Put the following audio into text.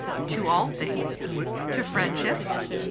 " To all things." "To friendship?"